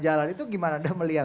jalan itu gimana anda melihat